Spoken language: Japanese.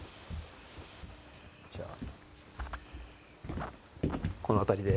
じゃあこの辺りで。